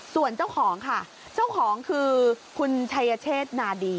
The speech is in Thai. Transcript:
ส่วนเจ้าของค่ะเจ้าของคือคุณชัยเชษนาดี